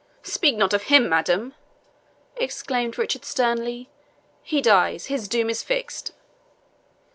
"Speak not of him, madam," exclaimed Richard sternly; "he dies his doom is fixed."